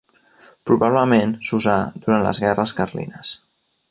Probablement s'usà durant les guerres carlines.